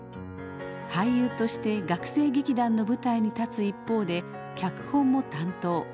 俳優として学生劇団の舞台に立つ一方で脚本も担当。